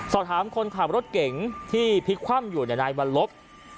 สอบถามคนขับรถเก๋งที่พลิกคว่ำอยู่ในบรรลบ